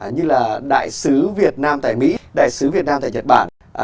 như là đại sứ việt nam tại mỹ đại sứ việt nam tại nhật bản